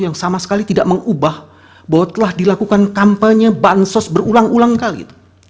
yang sama sekali tidak mengubah bahwa telah dilakukan kampanye bansos berulang ulang kali